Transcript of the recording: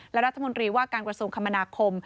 และรัฐมนตรีว่าการกระทรวงคมนาคม